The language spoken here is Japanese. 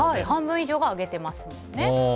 半分以上があげていますね。